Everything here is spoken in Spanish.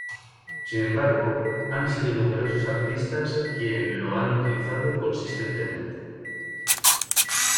Sin embargo, han sido numerosos artistas quien lo han utilizado consistentemente.